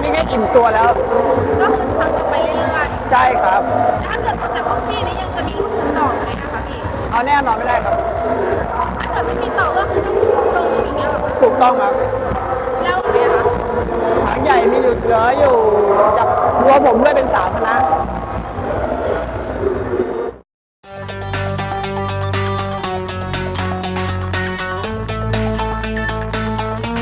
เราก็ต้องถามเพราะไม่อาชีพ